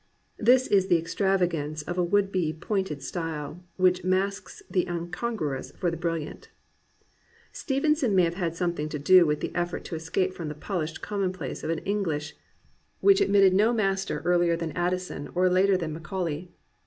This is the extravagance of a would be pointed style which mistakes the incongruous for the bril Hant. Stevenson may have had something to do with the effort to escape from the polished common place of an EngUsh which admitted no master earlier 373 COMPANIONABLE BOOKS than Addison or later than Macaulay.